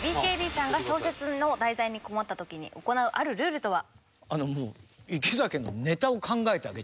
ＢＫＢさんが小説の題材に困った時に行うあるルールとは？